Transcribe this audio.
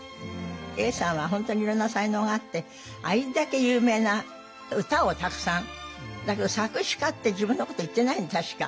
永さんは本当にいろんな才能があってあれだけ有名な歌をたくさんだけど作詞家って自分のこと言ってないの確か。